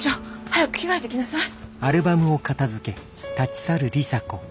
早く着替えてきなさい。